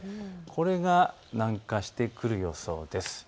これが南下してくる予想です。